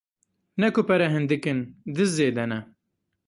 Ne ku pere hindik in, diz zêde ne.